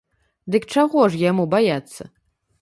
Дык чаго ж яму баяцца?